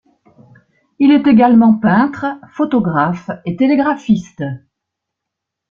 Il est également peintre, photographe et télégraphiste.